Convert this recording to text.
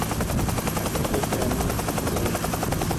Azi kot tazi wani, hin i voo.